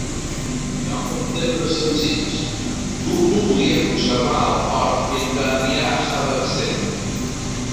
Lloc en termes senzills, Turbo podia conservar el fort mentre Adrià estava absent.